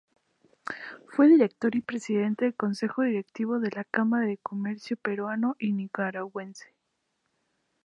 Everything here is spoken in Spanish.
Fue Director y Presidente del Consejo Directivo de la Cámara de Comercio Peruano-Nicaragüense.